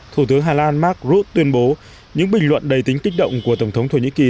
thủ tướng hà lan mark rutte tuyên bố những bình luận đầy tính kích động của tổng thống thổ nhĩ kỳ